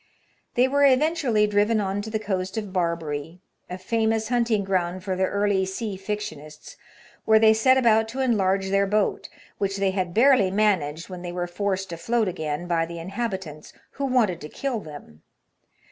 They were eventually driven on to the coast of Barbary — a famous hunting ground for the early sea fictionists — where they set about to enlarge their boat, which they had barely managed when they were forced afloat again by the inhabitants, who wanted to kill them.